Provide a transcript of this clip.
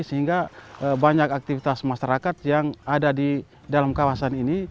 sehingga banyak aktivitas masyarakat yang ada di dalam kawasan ini